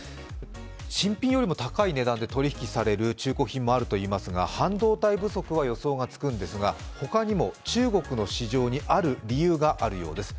新品よりも高い値段で取り引きされる中古品もあるといいますが、半導体不足は予想がつくんですが、他にも中国の市場にある理由があるようです。